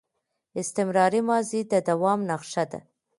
استمراري ماضي د دوام نخښه ده.